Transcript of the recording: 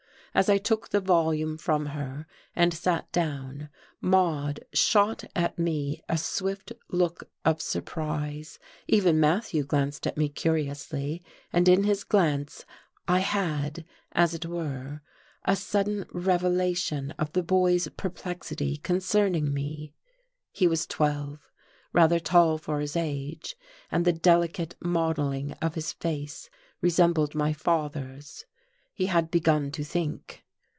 As I took the volume from her and sat down Maude shot at me a swift look of surprise. Even Matthew glanced at me curiously; and in his glance I had, as it were, a sudden revelation of the boy's perplexity concerning me. He was twelve, rather tall for his age, and the delicate modelling of his face resembled my father's. He had begun to think..